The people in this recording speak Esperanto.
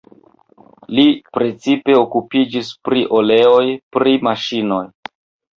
Li precipe okupiĝis pri oleoj pri maŝinoj.